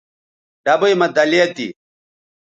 ڈبئ مہ دَلیہ تھی